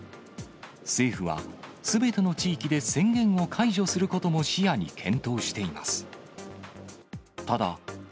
政府は、すべての地域で宣言を解除することも視野に検討しています。